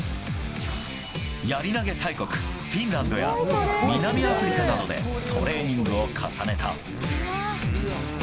やり投げ大国、フィンランドや南アフリカなどでトレーニングを重ねた。